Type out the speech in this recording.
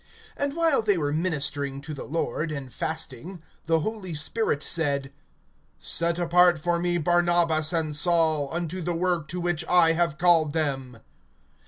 (2)And while they were ministering to the Lord, and fasting, the Holy Spirit said: Set apart for me Barnabas and Saul, unto the work to which I have called them.